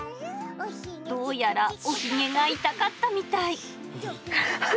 どうやらおひげが痛かったみたい。